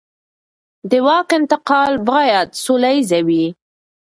د واک انتقال باید سوله ییز وي